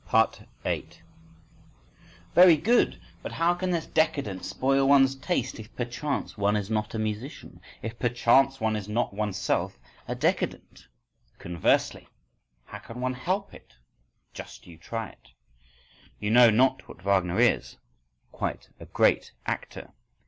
… 8. —"Very good! But how can this décadent spoil one's taste if perchance one is not a musician, if perchance one is not oneself a décadent?"—Conversely! How can one help it! Just you try it!—You know not what Wagner is: quite a great actor!